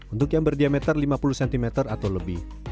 untuk yang berdiameter lima puluh cm atau lebih